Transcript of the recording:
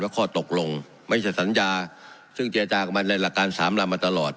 ข้อตกลงไม่ใช่สัญญาซึ่งเจรจากับมันในหลักการสามลำมาตลอด